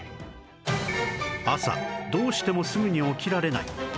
朝どうしてもすぐに起きられない